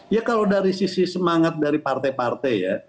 ya kalau dari sisi semangat dari partai partai ya